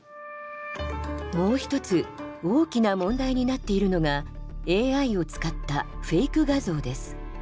もう一つ大きな問題になっているのがＡＩを使ったフェイク画像です。